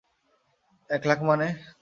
এক লাখ মানে?